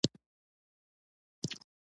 په غرمه کې د پخلي خوند زیات وي